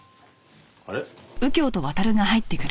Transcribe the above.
あれ？